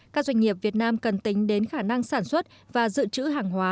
các doanh nghiệp việt nam cần tính đến khả năng sản xuất và dự trữ hàng hóa